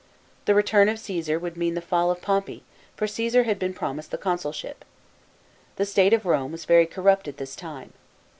The return of Caesar would mean the fall of Pompey, for Caesar had been promised the consulship. The state of Rome was very corrupt at this time.